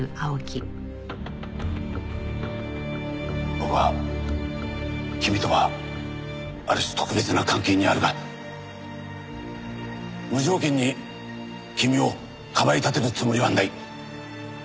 僕は君とはある種特別な関係にあるが無条件に君を庇い立てるつもりはない。